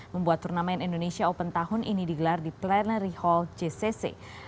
membuat turnamen indonesia open tahun ini digelar di plenary hall jcc